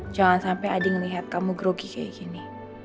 jangan sampai adi ngelihat kamu grogi kayak gini